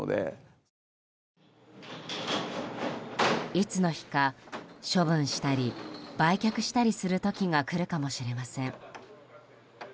いつの日か、処分したり売却したりする時が来るかもしれません。